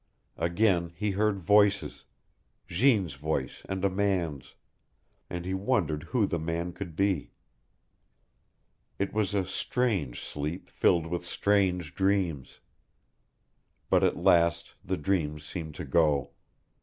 Again he heard voices, Jeanne's voice and a man's, and he wondered who the man could be. It was a strange sleep filled with strange dreams. But at last the dreams seemed to go.